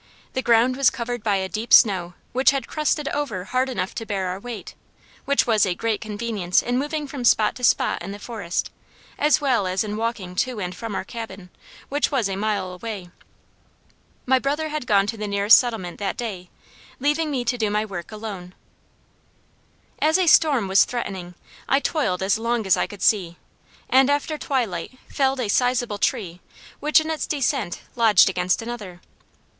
The ground was covered by a deep snow which had crusted over hard enough to bear our weight, which was a great convenience in moving from spot to spot in the forest, as well as in walking to and from our cabin, which was a mile away. My brother had gone to the nearest settlement that day, leaving me to do my work alone. As a storm was threatening, I toiled as long as I could see, and after twilight felled a sizeable tree which in its descent lodged against another.